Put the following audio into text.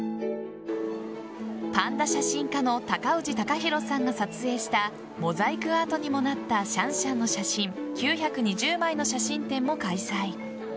パンダ写真家の高氏貴博さんが撮影したモザイクアートにもなったシャンシャンの写真９２０枚の写真展も開催。